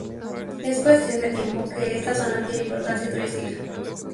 Es cuestión de tiempo que esta zona adquiera importancia turística.